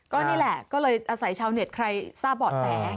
ก็นี่แหละก็เลยอาศัยชาวเน็ตใครทราบเบาะแส